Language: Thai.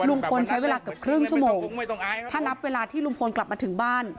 ลุงพลใช้เวลาเกือบครึ่งชั่วโมงถ้านับเวลาที่ลุงพลกลับมาถึงบ้าน